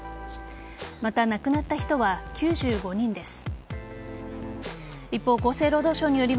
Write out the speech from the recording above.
また、亡くなった人は９５人です。